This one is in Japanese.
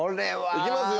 いきますよ。